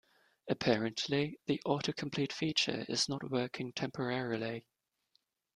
Apparently, the autocomplete feature is not working temporarily.